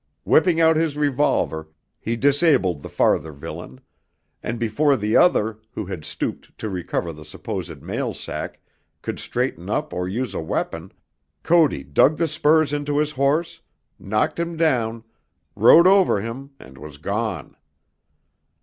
Whipping out his revolver, he disabled the farther villain; and before the other, who had stooped to recover the supposed mail sack, could straighten up or use a weapon, Cody dug the spurs into his horse, knocked him down, rode over him and was gone.